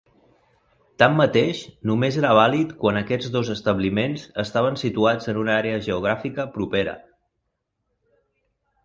Tanmateix, només era vàlid quan aquests dos establiments estaven situats en una àrea geogràfica propera.